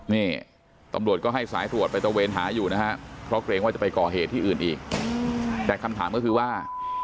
นี่ตำรวจก็ให้สายตรวจไปตะเวนหาอยู่นะฮะเพราะเกรงว่าจะไปก่อเหตุที่อื่นอีกแต่คำถามก็คือว่า